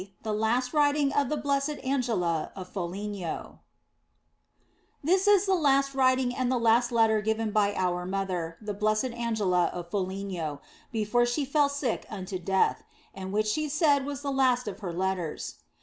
THE LAST WRITING OF THE BLESSED ANGELA OF FOLIGNO THIS is the last writing and the last letter given by our Mother, the Blessed Angela of Foligno, before she fell sick unto death, and which she said was the last of her letters.